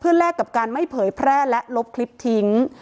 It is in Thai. แลกกับการไม่เผยแพร่และลบคลิปทิ้ง